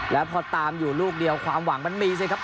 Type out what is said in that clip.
แล้วพอตามอยู่ลูกเดียวความหวังมันมีสิครับ